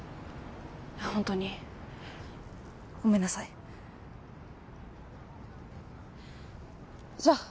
本当にごめんなさいじゃあ